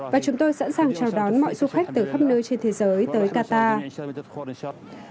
và chúng tôi sẵn sàng chào đón mọi du khách từ khắp nơi trên thế giới tới qatar